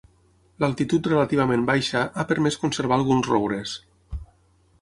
L'altitud relativament baixa ha permès conservar alguns roures.